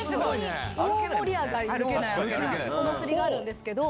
大盛り上がりのお祭りがあるんですけど。